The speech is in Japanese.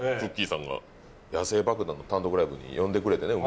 さんが野性爆弾の単独ライブに呼んでくれてね